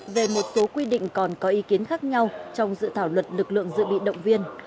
về một số quy định còn có ý kiến khác nhau trong dự thảo luật lực lượng dự bị động viên